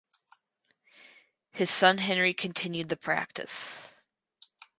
His son Henry continued the practice.